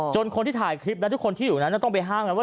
คนที่ถ่ายคลิปและทุกคนที่อยู่นั้นต้องไปห้ามแล้วว่า